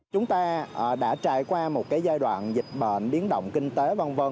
chúng ta đã trải qua một giai đoạn dịch bệnh biến động kinh tế v v